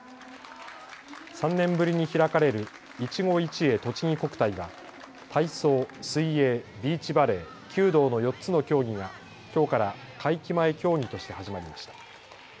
３年ぶりに開かれるいちご一会とちぎ国体は体操、水泳、ビーチバレー、弓道の４つの競技がきょうから会期前競技として始まりました。